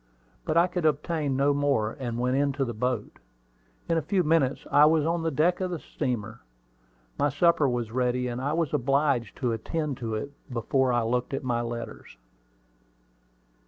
But I could obtain no more, and went into the boat. In a few minutes I was on the deck of the steamer. My supper was all ready, and I was obliged to attend to it before I looked at my letters.